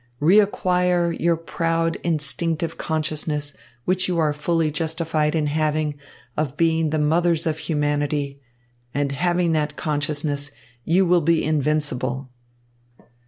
Reacquire your proud, instinctive consciousness, which you are fully justified in having, of being the mothers of humanity; and having that consciousness, you will be invincible."